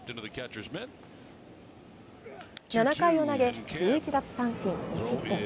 ７回を投げ１１奪三振２失点。